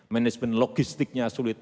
manajemen logistiknya sulit